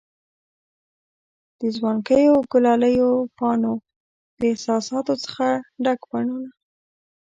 د ځوانکیو، ګلالیو پانو د احساساتو څخه ډک بڼوڼه